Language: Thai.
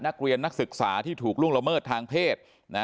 นักศึกษาที่ถูกล่วงละเมิดทางเพศ